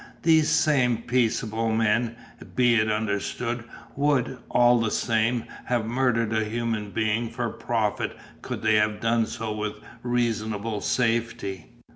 These same peaceable men, be it understood, would, all the same, have murdered a human being for profit could they have done so with reasonable safety.